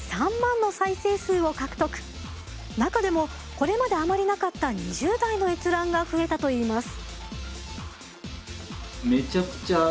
中でもこれまであまりなかった２０代の閲覧が増えたといいます。